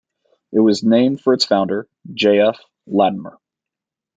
It was named for its founder, J. F. Latimer.